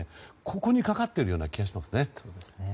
ここにかかっている気がしますね。